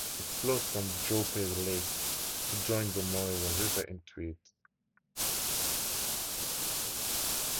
It flows from Joeperry Lake to join the Moira River in Tweed.